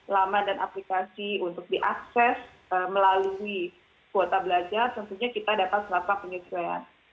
laman dan aplikasi untuk diakses melalui kuota belajar tentunya kita dapat melakukan penyesuaian